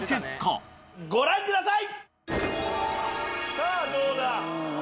さぁどうだ？